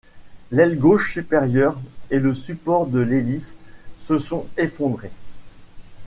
L'aile gauche supérieure et le support de l'hélice se sont effondrés.